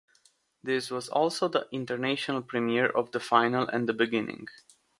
This was also the international premiere of "The Final" and "The Beginning".